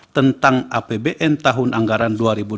tentang apbn tahun anggaran dua ribu dua puluh